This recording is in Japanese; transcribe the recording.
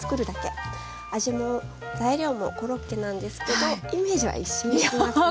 味も材料もコロッケなんですけどイメージは一新していますね。